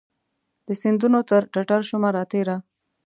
د سیندونو پر ټټرشومه راتیره